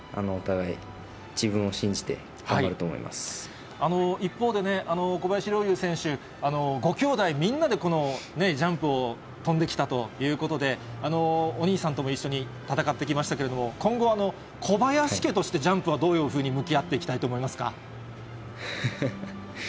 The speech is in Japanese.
お互い、自分を一方でね、小林陵侑選手、ごきょうだい、みんなでこのジャンプを飛んできたということで、お兄さんとも一緒に戦ってきましたけれども、今後、小林家として、ジャンプはどういうふうに向き合っていきたいと思いますか？